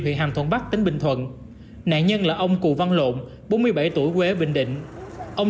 huyện hàm thuận bắc tỉnh bình thuận nạn nhân là ông cù văn lộn bốn mươi bảy tuổi quê bình định ông